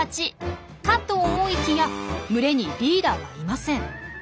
かと思いきや群れにリーダーはいません。